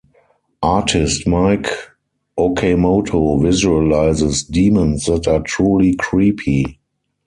Artist Mike Okamoto visualizes demons that are truly creepy.